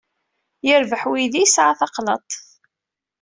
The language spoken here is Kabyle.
Yerbeḥ wegdi yesɛa taqlaḍṭ!